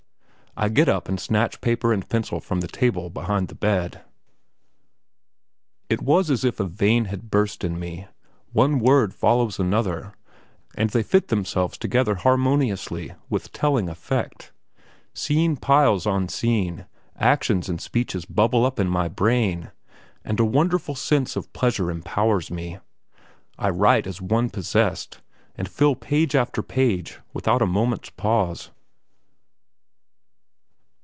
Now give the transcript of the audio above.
I get up and snatch paper and pencil from the table behind my bed. It was as if a vein had burst in me; one word follows another, and they fit themselves together harmoniously with telling effect. Scene piles on scene, actions and speeches bubble up in my brain, and a wonderful sense of pleasure empowers me. I write as one possessed, and fill page after page, without a moment's pause.